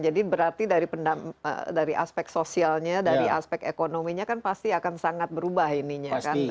jadi berarti dari aspek sosialnya dari aspek ekonominya kan pasti akan sangat berubah ininya kan